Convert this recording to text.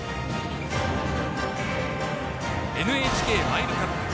ＮＨＫマイルカップ。